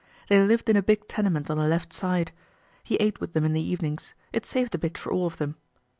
They lived in a big tenement on the left side. He ate with them in the evenings; it saved a bit for all of them.